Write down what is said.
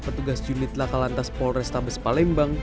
petugas unit lakalantas polrestabes palembang